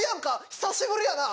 久しぶりやな。